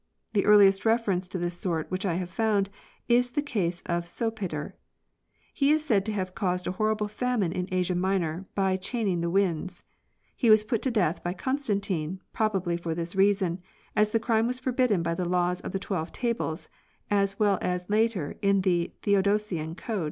The earliest reference to this sort which I have found is the case of Sdpater. He is said to have caused a horrible famine in Asia Minor by "chaining the winds." He was put to death by Constantine—probably for this reason, as this crime was forbidden by the laws of the Twelve Tables as well as later in the Theodosian code.